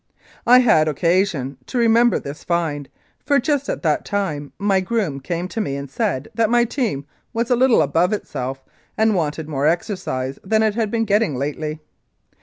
I had occasion to remember this "find," for just at that time my groom came to me and said that my team was a little above itself and wanted more exercise than it had been getting lately.